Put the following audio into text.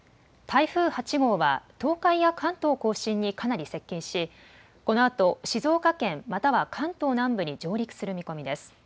台風８号は東海や関東甲信にかなり接近し、このあと静岡県または関東南部に上陸する見込みです。